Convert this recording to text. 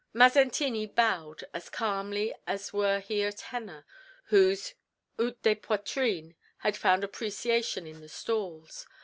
Mazzantini bowed as calmly as were he a tenor, whose ut de poitrine had found appreciation in the stalls.